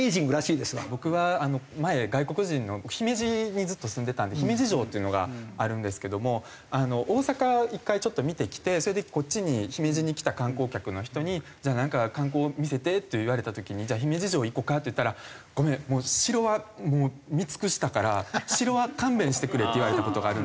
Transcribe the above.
僕は前外国人の姫路にずっと住んでたんで姫路城っていうのがあるんですけども大阪一回ちょっと見てきてそれでこっちに姫路に来た観光客の人に「じゃあなんか観光見せて」って言われた時に「じゃあ姫路城行こか」って言ったら「ごめんもう城は見尽くしたから城は勘弁してくれ」って言われた事があるんですよ。